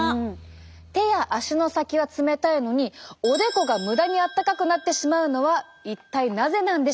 手や足の先は冷たいのにおでこが無駄にあったかくなってしまうのは一体なぜなんでしょうか？